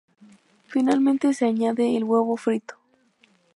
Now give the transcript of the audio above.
Finalmente se añade el huevo frito.